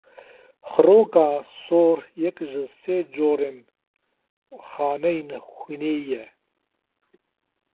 Xiroka sor yek ji sê corên xaneyên xwînê ye.